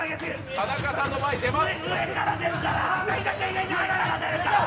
田中さんが前、出ます。